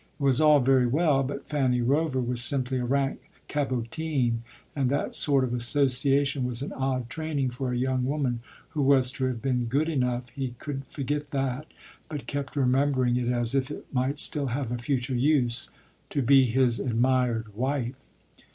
It was all very well, but Fanny Rover was simply a rank cabotine, and that sort of association was an odd training for a young woman who was to have been good enough he couldn't forget that, but kept remembering it as if it might still have a future use to be his admired wife.